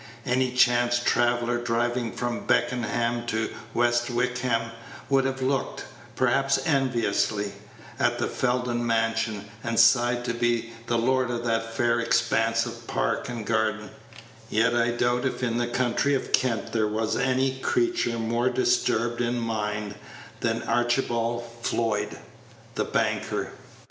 Any chance traveller driving from Beckenham to West Wickham would have looked, perhaps enviously, at the Felden mansion, and sighed to be lord of that fair expanse of park and garden; yet I doubt if in the county of Kent there was any creature more disturbed in mind than Archibald Floyd, the banker.